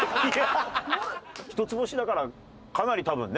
一つ星だからかなり多分ね。